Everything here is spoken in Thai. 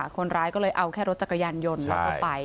คนร้ายก็เลยเอาแค่รถจักรยานยนต์แล้วก็ไป